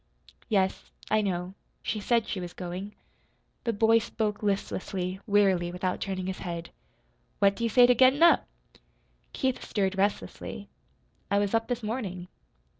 "Yes, I know, she said she was going." The boy spoke listlessly, wearily, without turning his head. "What do you say to gettin' up?" Keith stirred restlessly. "I was up this morning."